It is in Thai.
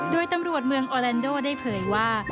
โดยตำรวจเมืองออแลนโดได้เผยว่า